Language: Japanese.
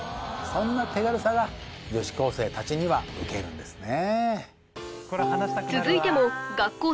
そんな手軽さが女子高生たちにはうけるんですね